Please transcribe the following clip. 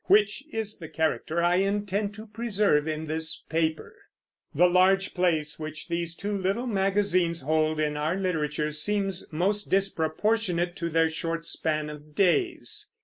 which is the character I intend to preserve in this paper. The large place which these two little magazines hold in our literature seems most disproportionate to their short span of days.